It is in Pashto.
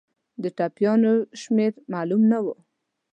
د ټپیانو شمېر معلوم نه وو.